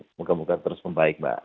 semoga moga terus membaik mbak